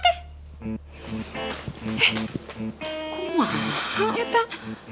eh kok mau makan